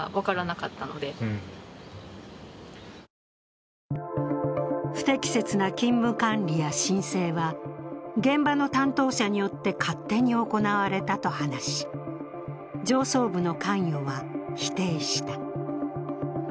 しかし不適切な勤務管理や申請は現場の担当者によって勝手に行われたと話し、上層部の関与は否定した。